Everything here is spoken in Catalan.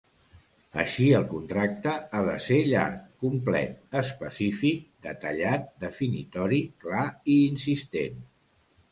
Així, el contracte ha de ser llarg, complet, específic, detallat, definitori, clar i insistent.